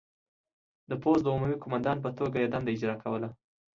د پوځ د عمومي قوماندان په توګه یې دنده اجرا کوله.